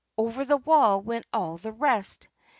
Over the wall went all the rest.